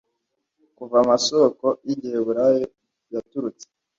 Kuva amasoko yigiheburayo yaturutse